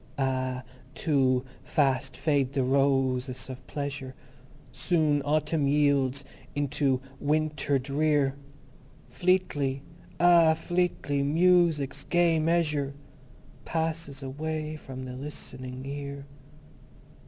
Ah, too Fast Fade the Ro o ses of Pleasure; Soon Autumn yields unto Wi i nter Drear. Fleetly! Ah, Fleetly Mu u sic's Gay Measure Passes away from the Listening Ear.